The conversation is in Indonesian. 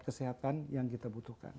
kesehatan yang kita butuhkan